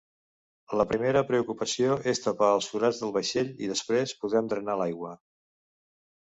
La primera preocupació és tapar els forats del vaixell, i després podem drenar l'aigua.